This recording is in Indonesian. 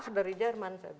bach dari jerman